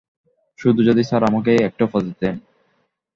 শুধু যদি স্যার আমাকে একটা উপদেশ দেন।